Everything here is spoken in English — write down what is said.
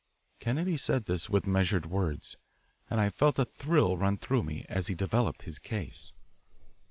Kennedy said this with measured words, and I felt a thrill run through me as he developed his case.